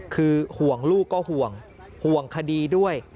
คือห่วงลูกก็ห่วงห่วงคดีด้วย